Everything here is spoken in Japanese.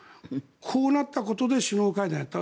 こうなったことで首脳会談をやった。